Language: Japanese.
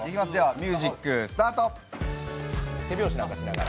ミュージックスタート。